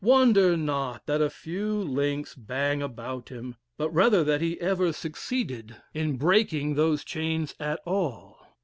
Wonder not that a few links bang about him, but rather that he ever succeeded in breaking those chains at all.